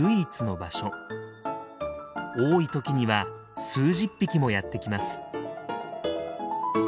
多い時には数十匹もやって来ます。